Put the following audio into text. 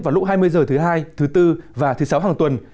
vào lúc hai mươi h thứ hai thứ bốn và thứ sáu hàng tuần